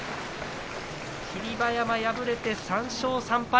霧馬山、敗れて３勝３敗。